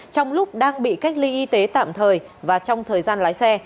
trong lúc đang bị cách ly y tế tạm thời và trong thời gian lái xe